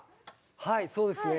はいそうですね。